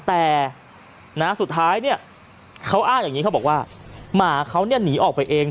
แต่นะสุดท้ายเนี่ยเขาอ้างอย่างนี้เขาบอกว่าหมาเขาเนี่ยหนีออกไปเอง